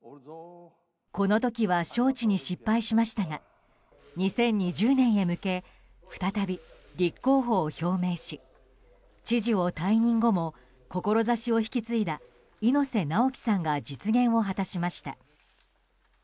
この時は招致に失敗しましたが２０２０年へ向け再び立候補を表明し知事を退任後も志を引き継いだ猪瀬直樹さんが実現を果たしました。